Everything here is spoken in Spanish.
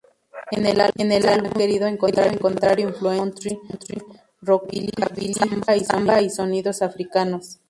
En el álbum se han querido encontrar influencias country, rockabilly, samba y sonidos africanos.